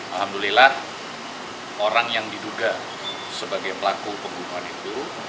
alhamdulillah orang yang diduga sebagai pelaku pembunuhan itu